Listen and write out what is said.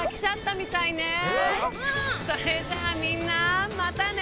それじゃあみんなまたね！